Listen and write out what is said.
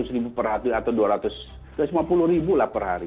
seratus ribu per hari atau dua ratus lima puluh ribu lah per hari